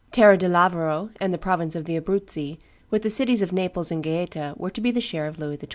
Terra di Lavoro and the province of the Abruzzi, with the cities of Naples and Gaeta, were to be the share of Louis XII.